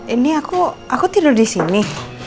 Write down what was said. ini aku tidur di sini